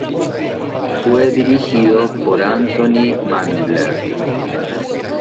Fue dirigido por Anthony Mandler.